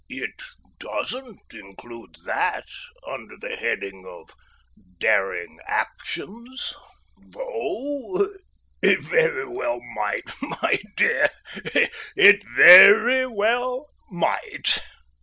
"It doesn't include that under the heading of 'daring actions' though it very well might, my dear, it very well might."